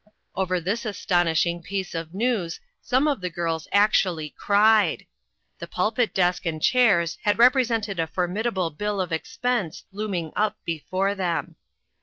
Over this astonishing piece of news some of the girls actually cried. The pulpit desk and chairs had represented a formidable bill of expense looming up before them.